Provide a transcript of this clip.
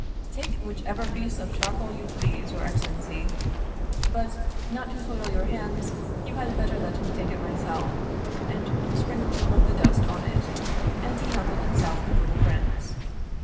" Take whichever piece of charcoal you please, your ex cellency; but, not to so' M your hands, you had better, "let me take it myself, and you sprinkle some of the dust on it," and he humbled himself before the prince.